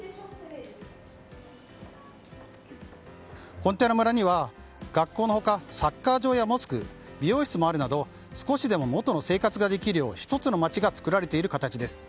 コンテナ村には学校の他、サッカー場やモスク美容室もあるなど少しでも元の生活ができるよう１つの町が作られている形です。